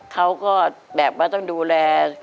เขาก็แบบว่าต้องดูแล